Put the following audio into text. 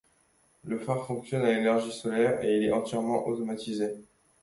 Le phare fonctionne à l'énergie solaire et il est entièrement automatisé.